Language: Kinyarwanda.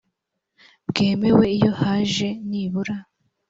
bwemewe iyo haje nibura